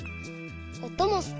おともすき。